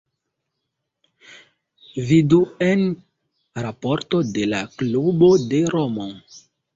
Vidu en raporto de la klubo de Romo.